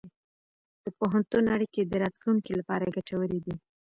د پوهنتون اړیکې د راتلونکي لپاره ګټورې دي.